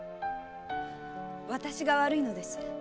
私が悪いのです。